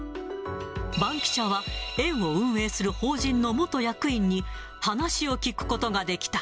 バンキシャは、園を運営する法人の元役員に、話を聞くことができた。